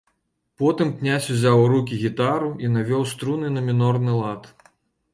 Потым князь узяў у рукі гітару і навёў струны на мінорны лад.